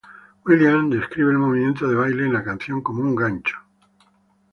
Williams describe el movimiento de baile en la canción como un gancho.